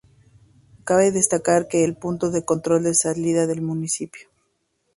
Cabe destacar que es el punto de control de salida del municipio.